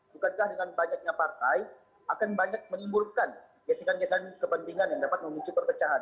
bukankah dengan banyaknya partai akan banyak menimbulkan gesekan gesekan kepentingan yang dapat memicu perpecahan